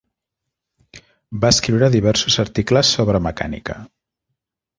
Va escriure diversos articles sobre mecànica.